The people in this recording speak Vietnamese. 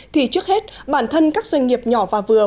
thì trước hết bản thân các doanh nghiệp nhỏ và vừa